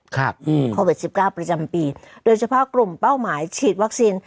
โควิดสิบเก้าประจำปีโดยเฉพาะกลุ่มเป้าหมายฉีดวัคซีน